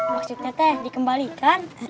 maksudnya teh dikembalikan